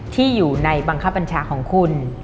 ที่อยู่ในบังคับบัญชาของคุณ